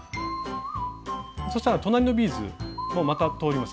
そしたら隣のビーズもまた通ります